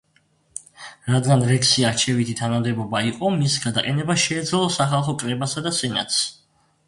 რადგან რექსი არჩევითი თანამდებობა იყო, მისი გადაყენება შეეძლო სახალხო კრებასა და სენატს.